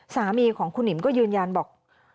สามีของคุณหนิมก็ยืนยันบอก